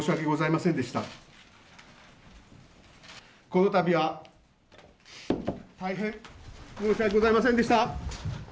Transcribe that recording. この度は大変申し訳ございませんでした。